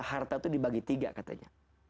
harta itu dibagi tiga katanya